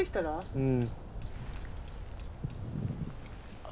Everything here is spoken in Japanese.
うん。